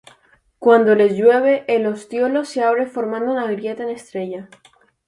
Cuando les llueve el ostiolo se abre formando una grieta en estrella.